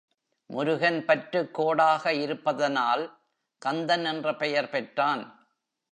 முருகன் பற்றுக்கோடாக இருப்பதனால் கந்தன் என்ற பெயர் பெற்றான்.